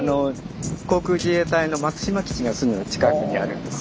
航空自衛隊の松島基地がすぐ近くにあるんです。